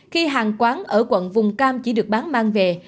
khi hàng quán ở quận vùng cam chỉ được bán mang về